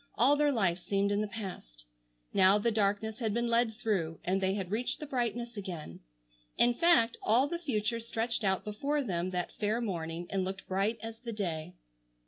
All their life seemed in the past. Now the darkness had been led through, and they had reached the brightness again. In fact, all the future stretched out before them that fair morning and looked bright as the day.